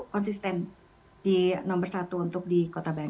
konsisten di nomor satu untuk di kota bandung